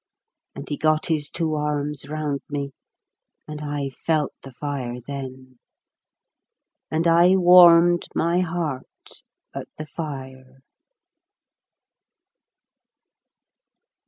And he got his two arms round mc, and I felt the fire then. And I warmed my heart at the fire.